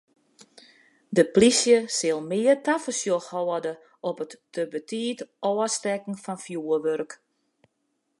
De plysje sil mear tafersjoch hâlde op it te betiid ôfstekken fan fjoerwurk.